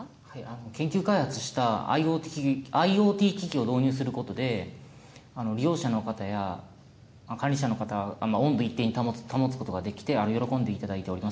研究開発したＩｏＴ機器を導入することで、利用者の方や管理者の方、温度を一定に保つことができて、喜んでいただいております。